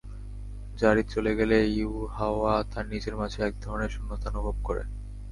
যারীদ চলে গেলে ইউহাওয়া তার নিজের মাঝে এক ধরনের শূন্যতা অনুভব করে।